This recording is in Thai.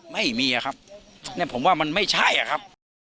ไม่มีครับเนี่ยผมว่ามันไม่ใช่อะครับ